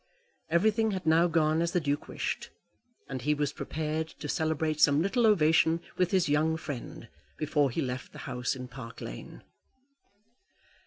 Everything had now gone as the Duke wished; and he was prepared to celebrate some little ovation with his young friend before he left the house in Park Lane.